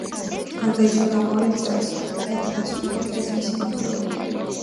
გარდაიცვალა ამავე წელს რითაც დასრულდა კიდეც მისი მმართველობა.